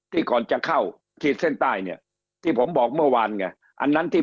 ก่อนจะเข้าขีดเส้นใต้เนี่ยที่ผมบอกเมื่อวานไงอันนั้นที่